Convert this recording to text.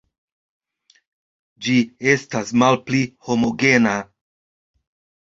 Ĝi estas malpli homogena.